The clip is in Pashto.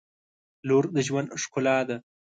• لور د ژوند ښکلا ده.